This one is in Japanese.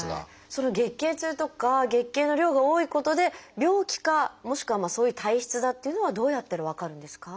その月経痛とか月経の量が多いことで病気かもしくはそういう体質だっていうのはどうやったら分かるんですか？